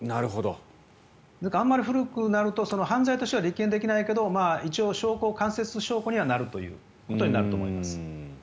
だから、あまり古くなると犯罪としては立件できないけれど一応、間接証拠にはなるということだと思います。